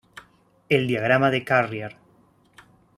El diagrama de Carrier.